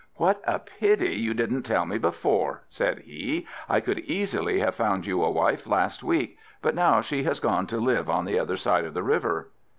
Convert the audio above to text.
"What a pity you didn't tell me before," said he; "I could easily have found you a wife last week, but now she has gone to live on the other side of the river."